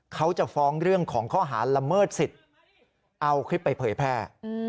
เขาจะฟ้องเรื่องของข้อหาละเมิดสิทธิ์เอาคลิปไปเผยแพร่